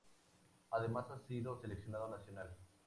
Además ha sido seleccionado nacional.